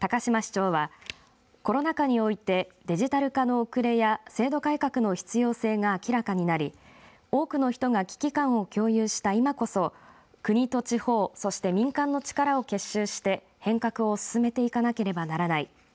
高島市長はコロナ禍においてデジタル化の遅れや制度改革の必要性が明らかになり多くの人が危機感を共有した今こそ国と地方そして民間の力を結集して変革を進めていかなければならない。